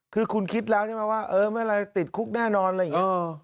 คือคุณคิดแล้วใช่ไหมว่าเออไม่อะไรติดคุกแน่นอนอะไรอย่างนี้